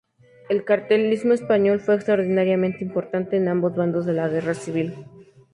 El cartelismo español fue extraordinariamente importante en ambos bandos de la guerra civil.